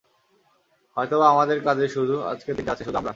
হয়তোবা আমাদের কাজে শুধু, আজকের দিনটা আছে, শুধু আমরা।